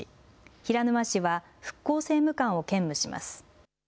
平沼氏は復興政務官を兼務します。